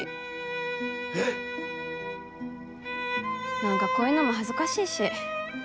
何かこういうのも恥ずかしいし。